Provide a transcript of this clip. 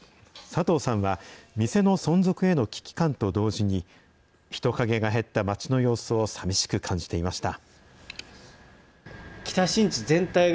佐藤さんは、店の存続への危機感と同時に、人影が減った街の様子を寂しく感じていました。